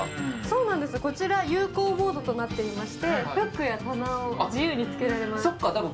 こちら有孔ボードとなっていまして、フックや棚を自由につけられるようになってます。